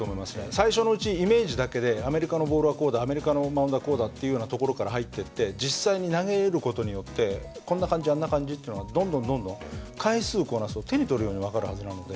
最初のうちイメージだけでアメリカのボールはこうだアメリカのマウンドはこうだというようなところから入ってって実際に投げる事によってこんな感じあんな感じというのがどんどんどんどん回数をこなすと手に取るように分かるはずなので。